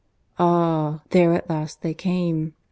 ... Ah! there at last they came.